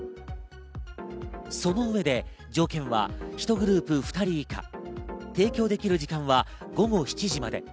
その上で条件は１グループ２人以下、提供できる時間は午後７時まで。